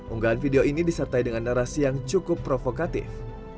unggahan video ini disertai dengan narasi yang cukup provokatif